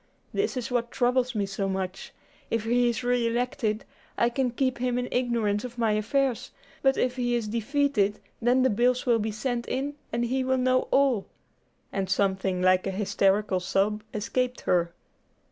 This is what troubles me so much. If he is re elected, I can keep him in ignorance of my affairs; but if he is defeated, then the bills will be sent in, and he will know all;" and something like a hysterical sob escaped her.